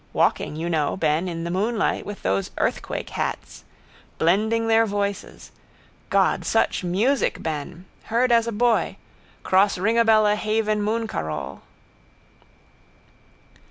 Walking, you know, Ben, in the moonlight with those earthquake hats. Blending their voices. God, such music, Ben. Heard as a boy. Cross Ringabella haven mooncarole.